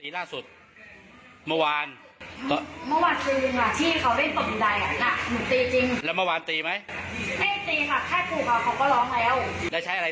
ก็ฝูเขาว่าบางทีคนข้างบ้านเค้าคิดว่าใจแต่